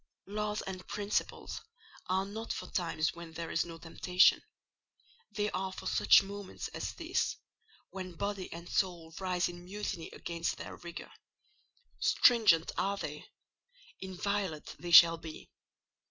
Laws and principles are not for the times when there is no temptation: they are for such moments as this, when body and soul rise in mutiny against their rigour; stringent are they; inviolate they shall be.